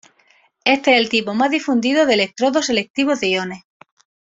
Este es el tipo más difundido de electrodo selectivo de iones.